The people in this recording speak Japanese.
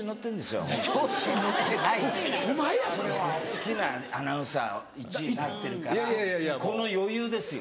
好きなアナウンサー１位になってるからこの余裕ですよ。